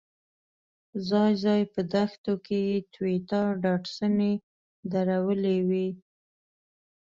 ځای ځای په دښتو کې ټویوټا ډاډسنې درولې وې.